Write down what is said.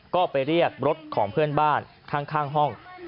ก็ไปเรียกรถของเพื่อนบ้านข้างห้อง